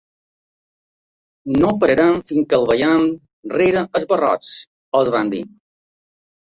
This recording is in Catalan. No pararem fins que el veiem rere els barrots, els van dir.